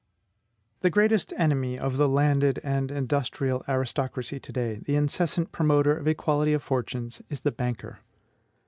The greatest enemy of the landed and industrial aristocracy to day, the incessant promoter of equality of fortunes, is the BANKER.